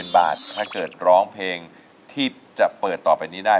บาทถ้าเกิดร้องเพลงที่จะเปิดต่อไปนี้ได้